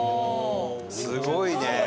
すごいね！